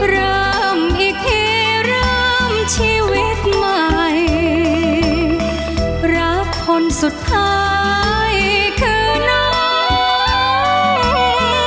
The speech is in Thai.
เริ่มอีกทีเริ่มชีวิตใหม่รักคนสุดท้ายคือน้อง